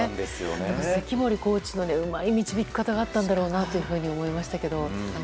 だから、関森コーチのうまい導き方があったんだろうなと思いましたね。